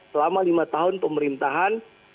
selama lima tahun pemerintahan